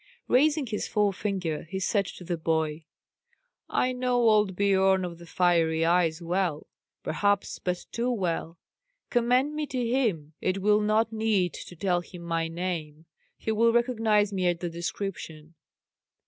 Raising his forefinger, he said to the boy, "I know old Biorn of the Fiery Eyes well; perhaps but too well. Commend me to him. It will not need to tell him my name; he will recognize me at the description."